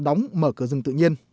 đóng mở cửa rừng tự nhiên